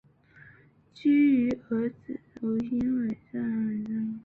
居于儿子吴英伟在海边山顶的花园大宅中。